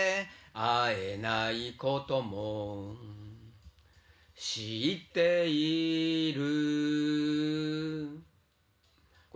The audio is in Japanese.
逢えないことも知っている